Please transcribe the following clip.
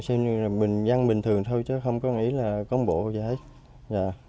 xem như là bình dân bình thường thôi chứ không có nghĩ là công bộ gì hết